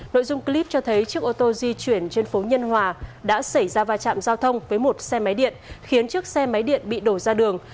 nội dung clip cho thấy chiếc ô tô di chuyển trên phố nhân hòa đã xảy ra va chạm giao thông với một xe máy điện khiến chiếc xe máy điện bị đổ ra đường